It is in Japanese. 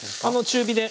中火で。